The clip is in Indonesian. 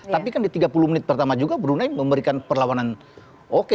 tapi kan di tiga puluh menit pertama juga brunei memberikan perlawanan oke